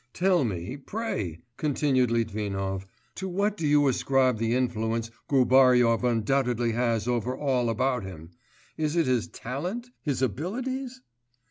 'Tell me, pray,' continued Litvinov, 'to what do you ascribe the influence Gubaryov undoubtedly has over all about him? Is it his talent, his abilities?